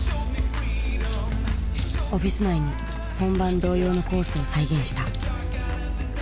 オフィス内に本番同様のコースを再現した。